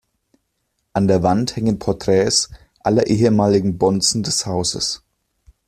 An der Wand hängen Porträts aller ehemaligen Bonzen des Hauses.